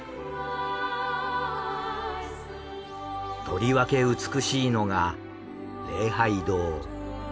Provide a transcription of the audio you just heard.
とりわけ美しいのが「礼拝堂」。